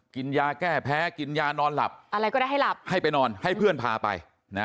กินยาแก้แพ้กินยานอนหลับอะไรก็ได้ให้หลับให้ไปนอนให้เพื่อนพาไปนะ